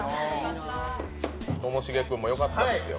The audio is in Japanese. ともしげ君もよかったですよ。